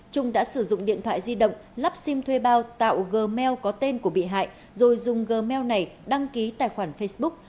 trung đã sử dụng điện thoại di động lắp sim thuê bao tạo gmail có tên của bị hại rồi dùng gmail này đăng ký tài khoản facebook